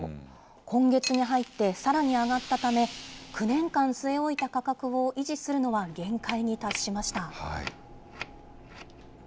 今月に入ってさらに上がったため、９年間据え置いた価格を維持するのは限界に達しました。